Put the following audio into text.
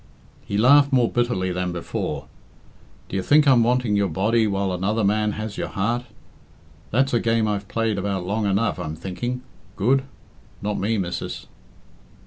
He laughed more bitterly than before. "Dou yo think I'm wanting your body while another man has your heart? That's a game I've played about long enough, I'm thinking. Good? Not me, missis."